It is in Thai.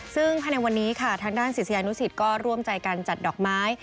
ซึ่งภายในวันนี้ค่ะทางด้านศิษยานุสิตก็ร่วมใจกันจัดดอกไม้